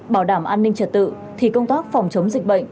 bảo đảm an ninh trật tự thì công tác phòng chống dịch bệnh